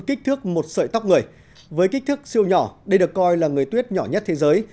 kích thước một sợi tóc người với kích thước siêu nhỏ đây được coi là người tuyết nhỏ nhất thế giới